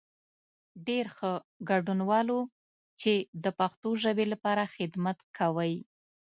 ډېر ښه، ګډنوالو چې د پښتو ژبې لپاره خدمت کوئ.